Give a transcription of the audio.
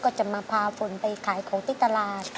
ก็จะมาแพาผลไปขายของติ๊กตาราน